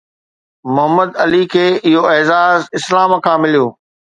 محمد علي کي اهو اعزاز اسلام کان مليو